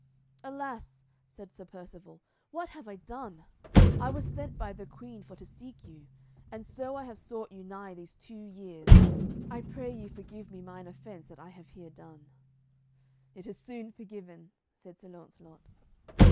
"Alas," said Sir Percivale, "what have I done! I was sent by the Queen for to seek you, and so I have sought you nigh these two years. I pray you forgive me mine offence that I have here done." "It is soon forgiven," said Sir Launcelot.